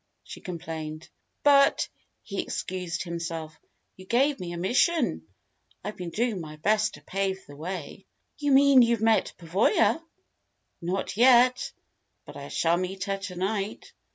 she complained. "But," he excused himself, "you gave me a mission. I've been doing my best to pave the way." "You mean you've met Pavoya?' "Not yet. But I shall meet her to night.